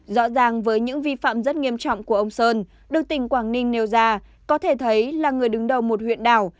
rõ ràng với những vi phạm rất nghiêm trọng của ông sơn được tỉnh quảng ninh nêu ra có thể thấy là người đứng đầu một huyện đảo